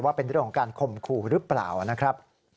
ว่าเป็นเรื่องของการคมครูหรือเปล่า